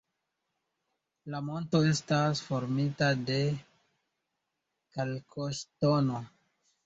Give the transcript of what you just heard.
La monto estas formita de kalkoŝtono.